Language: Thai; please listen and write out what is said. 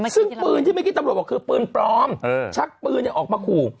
ซึ่งปืนที่เมื่อกี้ตำรวจบอกคือปืนปลอมชักปืนออกมาขู่